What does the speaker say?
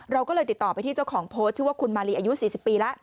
เราก็เลยติดต่อไปที่เจ้าของโพสต์ชื่อว่าคุณมาลีอายุ๔๐ปีแล้ว